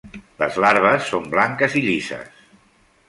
Les larves són blanques i llises.